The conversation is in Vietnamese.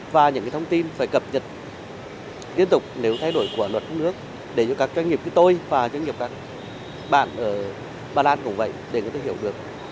và những thông tin phải cập nhật liên tục nếu thay đổi của luật của nước để cho các doanh nghiệp như tôi và doanh nghiệp các bạn ở ba lan cũng vậy để chúng tôi hiểu được